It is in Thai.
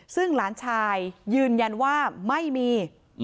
ซึ่งหลานชายยืนยันว่าไม่มี